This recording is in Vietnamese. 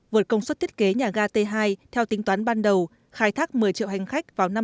vượt công suất thiết kế nhà ga t hai theo tính toán ban đầu khai thác một mươi triệu hành khách vào năm hai nghìn hai mươi